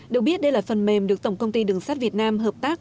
được biết đây là phần mềm được tổng công ty đường sắt việt nam hợp tác